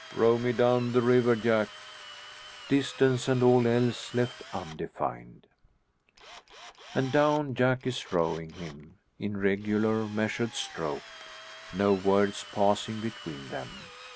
"Row me down the river, Jack!" distance and all else left undefined. And down Jack is rowing him in regular measured stroke, no words passing between them.